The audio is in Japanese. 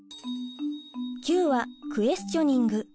「Ｑ」はクエスチョニング。